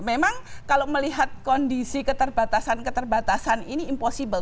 memang kalau melihat kondisi keterbatasan keterbatasan ini impossible